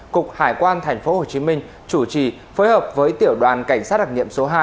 cục hải quan tp hcm chủ trì phối hợp với tiểu đoàn cảnh sát đặc nghiệm số hai